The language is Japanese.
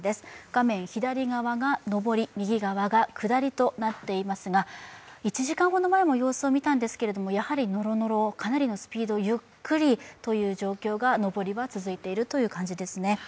画面左側が上り、右側が下りとなっていますが１時間ほど前の様子を見たんですけれどやはりのろのろ、ゆっくりというような状況が上りは続いている状態ですね。